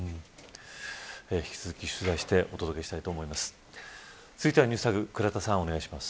引き続き、取材してお届けしたいと思います。